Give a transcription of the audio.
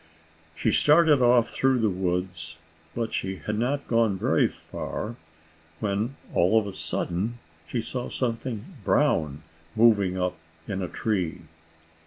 She started off through the woods, but she had not gone very far, when, all of a sudden, she saw something brown moving up in a tree.